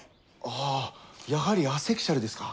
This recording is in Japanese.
ああやはりアセクシャルですか。